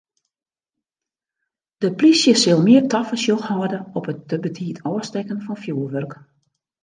De plysje sil mear tafersjoch hâlde op it te betiid ôfstekken fan fjoerwurk.